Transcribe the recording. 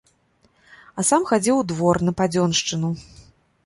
А сам хадзіў у двор на падзёншчыну.